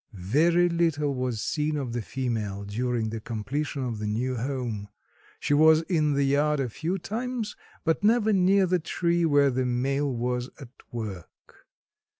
Very little was seen of the female during the completion of the new home. She was in the yard a few times, but never near the tree where the male was at work.